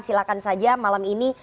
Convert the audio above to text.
silahkan saja malam ini